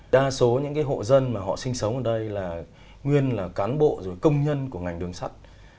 đa số những hộ dân mà họ sinh sống ở đây là nguyên là cán bộ rồi công nhân của ngành đường sắt